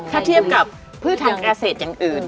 ถ้าเทียบกับพืชทางเกษตรอย่างอื่น